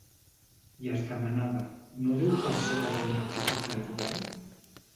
I es demanava: ‘No deu pas ser per la ineptitud del govern?’